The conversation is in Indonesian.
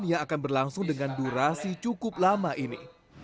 yang akan berlangsung dengan durasi cukup lama ini